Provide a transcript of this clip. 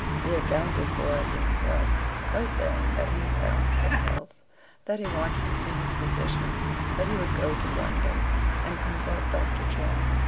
He accounted for it himself, by saying that he was out of health; that he wanted to see his physician; that he would go to London, and consult Doctor Cheyne.